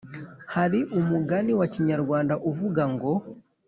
hari umugani wa kinyarwanda uvuga ngo